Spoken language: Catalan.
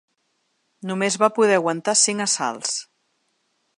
Només va poder aguantar cinc assalts.